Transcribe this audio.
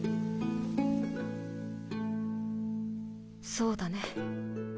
そうだね。